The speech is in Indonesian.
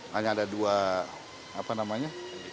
hanya ada dua apa namanya